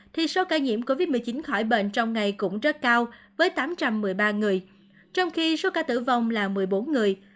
thì số ca nhiễm covid một mươi chín khỏi bệnh trong ngày cũng rất cao với tám trăm một mươi ba người trong khi số ca tử vong là một mươi bốn người